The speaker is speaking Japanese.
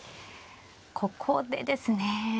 ここでですね。